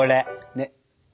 ねっ。